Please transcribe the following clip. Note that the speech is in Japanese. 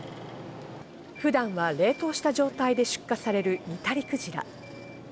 普段は冷凍した状態で出荷されるニタリクジラ。